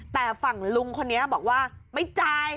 แต่ฝั่งลุงคนนี้บอกว่าไม่จ่าย